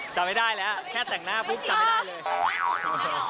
จำไม่ได้แล้วแค่แต่งหน้าปุ๊บจำไม่ได้เลย